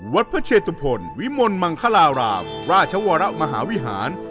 วัดโพหริวมลมหลารารราบราชวรรถมหาวิหาร